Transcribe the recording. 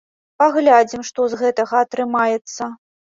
Паглядзім, што з гэтага атрымаецца.